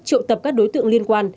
trụ tập các đối tượng